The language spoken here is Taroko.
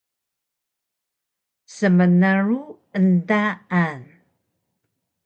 Smnru endaan